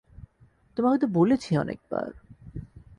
তোমাকে তো বলেছি অনেক বার।